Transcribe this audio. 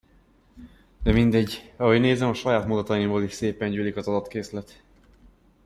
De mindegy, ahogy nézem, a saját mondataimból is szépen gyűlik az adatkészlet.